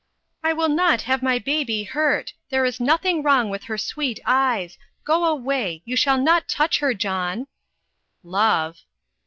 "I will not have my baby hurt! There is nothing wrong with her sweet eyes. Go away; you shall not touch her, John." "Love!"